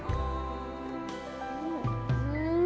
うん。